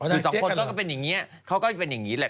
คือสองคนก็เป็นอย่างนี้เขาก็เป็นอย่างนี้แหละ